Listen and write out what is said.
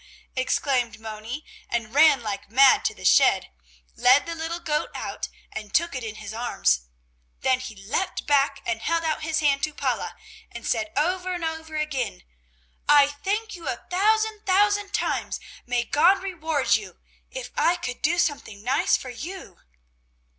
exclaimed Moni and ran like mad to the shed, led the little goat out, and took it in his arms. Then he leaped back and held out his hand to Paula and said over and over again: "I thank you a thousand, thousand times! May God reward you! If I could do something nice for you!"